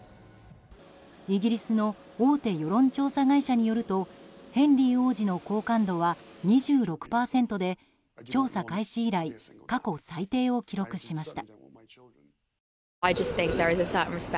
イギリスの大手世論調査会社によるとヘンリー王子の好感度は２６％で調査開始以来過去最低を記録しました。